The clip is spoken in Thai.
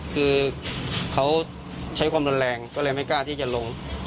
คือเขาใช้ความรุนแรงก็เลยไม่กล้าที่จะลง